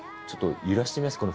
ちょっと揺らしてみます。